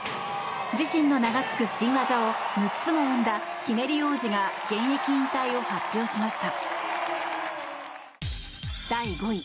自身の名がつく新技を６つも生んだひねり王子が現役引退を発表しました。